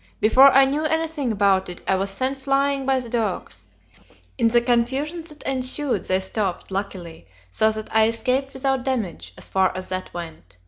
Before I knew anything about it, I was sent flying by the dogs. In the confusion that ensued they stopped, luckily, so that I escaped without damage, as far as that went.